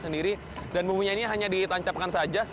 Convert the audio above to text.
dan bumbunya ini hanya ditancapkan saja